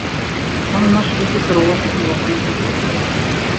ہم مشقِ فکر وصل و غم ہجر سے‘ اسد!